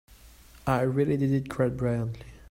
I really did it quite brilliantly.